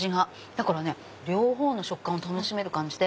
だからね両方の食感を楽しめる感じで。